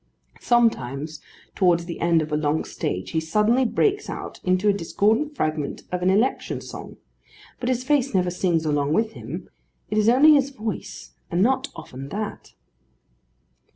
Sometimes, towards the end of a long stage, he suddenly breaks out into a discordant fragment of an election song, but his face never sings along with him: it is only his voice, and not often that.